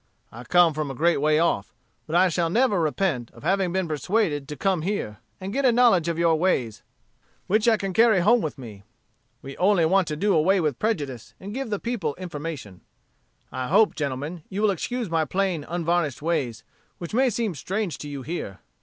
I come from a great way off. But I shall never repent of having been persuaded to come here, and get a knowledge of your ways, which I can carry home with me. We only want to do away prejudice and give the people information. "I hope, gentlemen, you will excuse my plain, unvarnished ways, which may seem strange to you here.